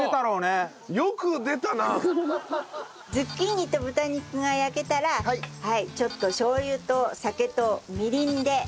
ズッキーニと豚肉が焼けたらちょっとしょう油と酒とみりんで。